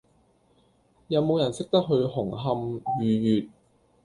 有無人識得去紅磡御悅